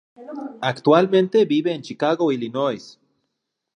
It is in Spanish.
Actualmente vive en Chicago, Illinois.